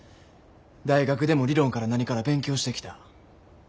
大学でも理論から何から勉強してきた。